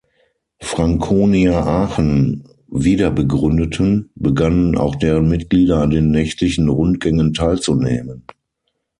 Franconia Aachen wiederbegründeten, begannen auch deren Mitglieder, an den nächtlichen Rundgängen teilzunehmen.